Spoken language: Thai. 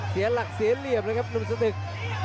เสียหลักเสียเหลี่ยมเลยครับหนุ่มสตึก